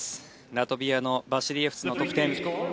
ラトビアのバシリエフスの得点。